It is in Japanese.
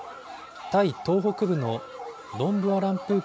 タイ東北部のノンブアランプー